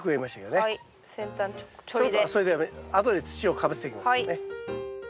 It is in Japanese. それであとで土をかぶせていきますからね。